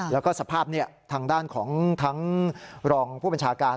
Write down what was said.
แล้วก็สภาพทางด้านของทั้งรองผู้บัญชาการ